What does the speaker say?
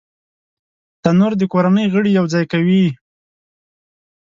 تنور د کورنۍ غړي یو ځای کوي